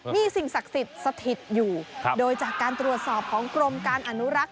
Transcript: มีสิ่งศักดิ์สิทธิ์สถิตอยู่โดยจากการตรวจสอบของกรมการอนุรักษ์